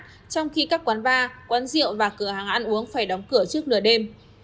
trong khi các quán bar quán rượu và cửa hàng ăn uống phải đóng cửa trước nửa đêm